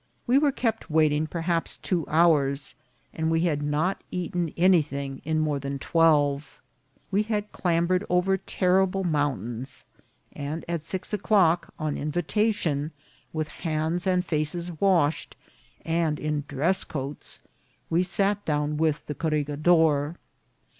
We were kept waiting per haps two hours, and we had not eaten anything in more than twelve. We had clambered over terrible mountains ; and at six o'clock, on invitation, with hands and faces washed, and in dress coats, sat down with the corregidor.